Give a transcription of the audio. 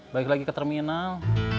balik lagi ke terminal